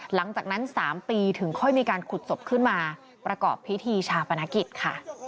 หลังจากนั้น๓ปีถึงค่อยมีการขุดศพขึ้นมาประกอบพิธีชาปนกิจค่ะ